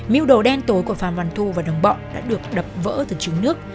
mưu đồ đen tối của phan văn thu và đồng bọn đã được đập vỡ từ trứng nước